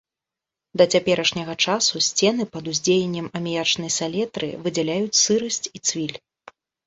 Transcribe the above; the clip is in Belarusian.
Да цяперашняга часу сцены пад уздзеяннем аміячнай салетры выдзяляюць сырасць і цвіль.